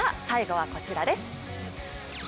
最後はこちらです。